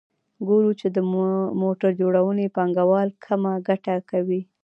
ګورو چې د موټر جوړونې پانګوال کمه ګټه کوي